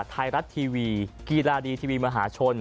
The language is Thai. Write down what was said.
ไทยรัฐทีวีกีฬาดีทีวีมหาชน